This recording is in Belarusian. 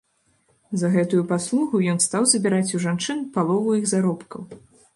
За гэтую паслугу ён стаў забіраць у жанчын палову іх заробкаў.